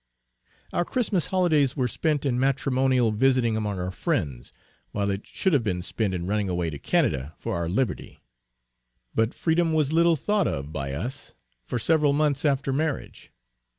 Our Christmas holydays were spent in matrimonial visiting among our friends, while it should have been spent in running away to Canada, for our liberty. But freedom was little thought of by us, for several months after marriage.